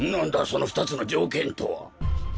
その２つの条件とは。